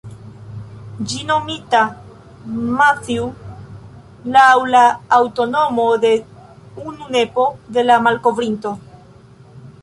Ĝi nomita ""Mathieu"", laŭ la antaŭnomo de unu nepo de la malkovrinto.